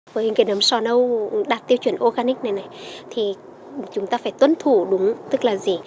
với hình cái nấm sò nâu đạt tiêu chuẩn organic này này thì chúng ta phải tuân thủ đúng tức là gì